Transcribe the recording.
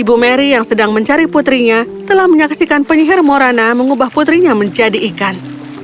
ibu mary yang sedang mencari putrinya telah menyaksikan penyihir morana mengubah putrinya menjadi ikan